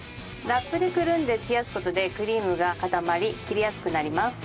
ラップでくるんで冷やす事でクリームが固まり切りやすくなります。